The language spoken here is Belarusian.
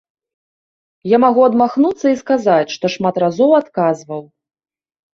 Я магу адмахнуцца і сказаць, што шмат разоў адказваў.